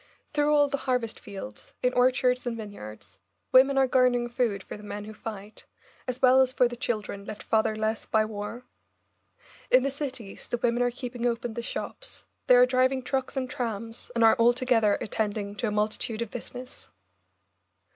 Through all the harvest fields, in orchards and vineyards, women are garnering food for the men who fight, as well as for the children left fatherless by war. In the cities the women are keeping open the shops, they are driving trucks and trams, and are altogether attending to a multitude of business.